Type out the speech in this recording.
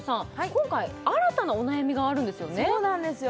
今回新たなお悩みがあるんですよねそうなんですよ